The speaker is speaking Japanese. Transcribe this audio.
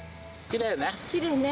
きれいね。